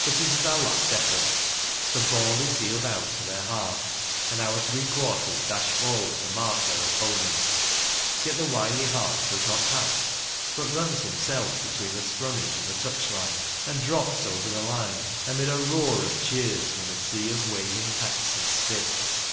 But it is our last effort. The ball is heeled out to their half, and our three quarters dash forward to mark their opponents. Yet the wily half does not pass, but runs himself between the scrummage and the touch line, and drops over the line amid a roar of cheers from the sea of waving hats and sticks.